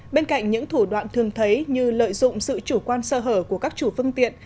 bên cạnh những thủ đoạn thường thấy như lợi dụng sự chủ quan sơ hở của các chủ phương tiện